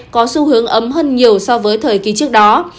có xu hướng ấm hơn nhiều so với thời kỳ trước đó